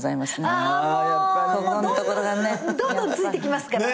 どんどんついてきますから。